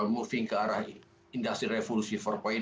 moving ke arah industri revolusi empat